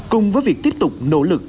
cùng với việc tiếp tục nỗ lực